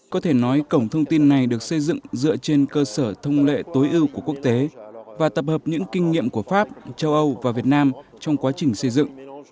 có thể nói cổng thông tin này được xây dựng dựa trên cơ sở thông lệ tối ưu của quốc tế và tập hợp những kinh nghiệm của pháp châu âu và việt nam trong quá trình xây dựng